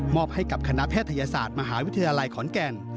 อบให้กับคณะแพทยศาสตร์มหาวิทยาลัยขอนแก่น